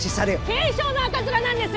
軽症の赤面なんです！